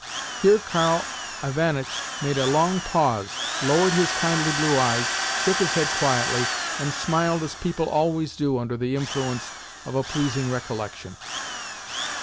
Here Karl Ivanitch made a long pause, lowered his kindly blue eyes, shook his head quietly, and smiled as people always do under the influence of a pleasing recollection.